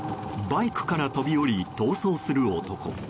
バイクから飛び降り逃走する男。